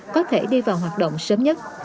có thể đi vào hoạt động sớm nhất